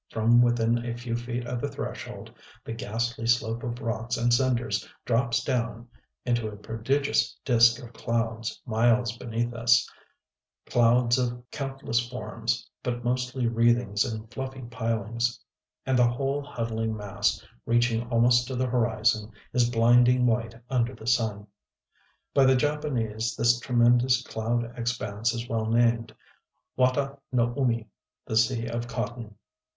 From within a few feet of the threshold, the ghastly slope of rocks and cinders drops down into a prodigious disk of clouds miles beneath us, clouds of countless forms, but mostly wreathings and fluffy pilings; and the whole huddling mass, reaching almost to the horizon, is blinding white under the sun. (By the Japanese, this tremendous cloud expanse is well named Wata no Umi, ŌĆ£the Sea of Cotton.